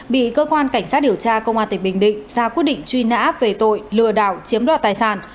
bị cơ quan cảnh sát điều tra công an tỉnh bình định ra quyết định truy nã về tội lừa đảo chiếm đoạt tài sản